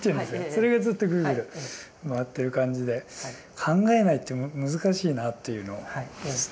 それがずっとぐるぐる回ってる感じで考えないって難しいなっていうのですね。